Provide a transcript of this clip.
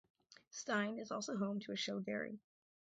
Stein is also home to a show dairy.